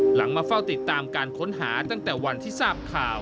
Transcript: มาเฝ้าติดตามการค้นหาตั้งแต่วันที่ทราบข่าว